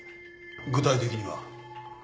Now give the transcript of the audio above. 具体的には？